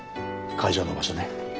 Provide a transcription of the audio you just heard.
会場の場所ね。